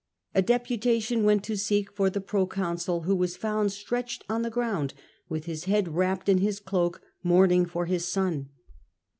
A deputation went to seek for the proconsul, who was found stretched on the ground, with his head wrapped in his cloak, mourning for his son.